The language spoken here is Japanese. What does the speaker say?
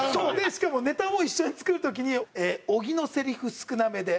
しかもネタを一緒に作る時に「小木のセリフ少なめで。